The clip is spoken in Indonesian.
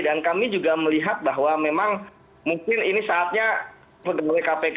dan kami juga melihat bahwa memang mungkin ini saatnya pegawai kpk